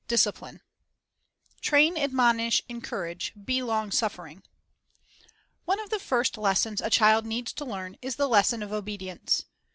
Discipline "train, admonish, encourage, be long suffering" /~\NE of the first lessons a child needs to learn is the ^S lesson of obedience.